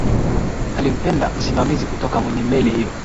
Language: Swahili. alimpenda msimamizi kutoka kwenye meli hiyo